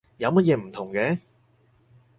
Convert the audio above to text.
有乜嘢唔同嘅？